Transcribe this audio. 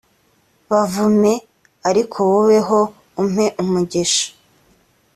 bavume ariko wowe ho umpe umugisha